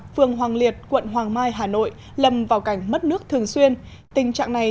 phường hoàng liệt quận hoàng mai hà nội lầm vào cảnh mất nước thường xuyên tình trạng này